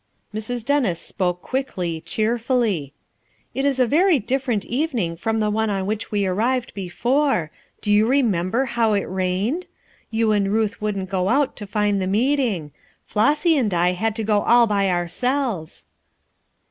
Mrs. Dennis spoke quickly, cheerfully. "It is a very different evening from the one on which we arrived before. Do you remember how it rained? You and Ruth wouldn't go out to find the meeting; Flossy and I had to go all by ourselves."